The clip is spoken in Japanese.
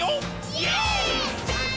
イエーイ！！